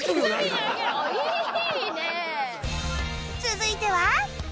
続いては